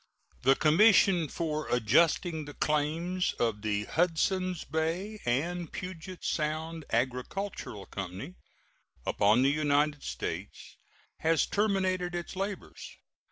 The commission for adjusting the claims of the "Hudsons Bay and Puget Sound Agricultural Company" upon the United States has terminated its labors.